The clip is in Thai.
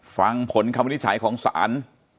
ฟังผลคำวินิจฉัยของศาล